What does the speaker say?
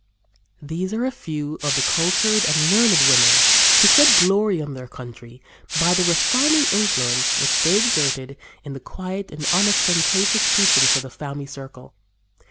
" These are a few of the cultured and learned women who shed glory on their country by the refining influence which they exerted in the quiet and unostentatious precincts of the family circle.